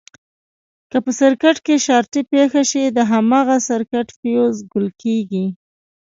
که په سرکټ کې شارټي پېښه شي د هماغه سرکټ فیوز ګل کېږي.